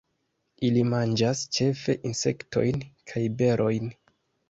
Ili manĝas ĉefe insektojn kaj berojn.